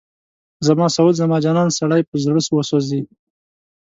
زما سعود، زما جانان، سړی په زړه وسوځي